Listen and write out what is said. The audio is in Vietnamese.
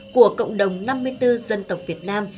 của cộng đồng năm mươi bốn dân tộc việt nam